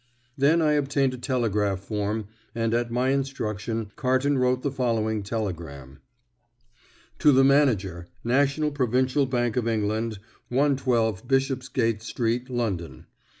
Then I obtained a telegraph form, and at my instruction Carton wrote the following telegram: "To the Manager, National Provincial Bank of England, 112 Bishopsgate Street, London.